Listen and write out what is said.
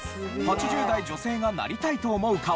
８０代女性がなりたいと思う顔